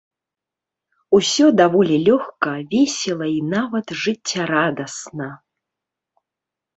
Усё даволі лёгка, весела і нават жыццярадасна.